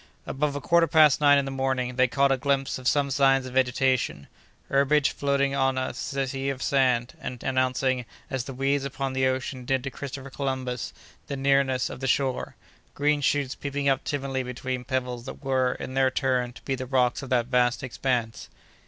About a quarter past nine in the morning, they caught a glimpse of some signs of vegetation: herbage floating on that sea of sand, and announcing, as the weeds upon the ocean did to Christopher Columbus, the nearness of the shore—green shoots peeping up timidly between pebbles that were, in their turn, to be the rocks of that vast expanse.